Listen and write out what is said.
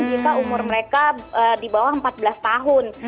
kita umur mereka di bawah empat belas tahun